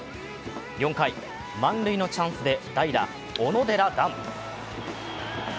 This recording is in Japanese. ４回、満塁のチャンスで代打・小野寺暖。